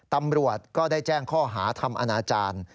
ตำรวจก็ได้แจ้งข้อหาทำอนาจารย์